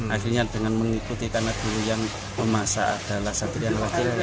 akhirnya dengan mengikuti tanah dulu yang memasak adalah sanggring sanggringnya